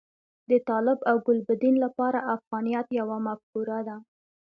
د طالب او ګلبدین لپاره افغانیت یوه مفکوره ده.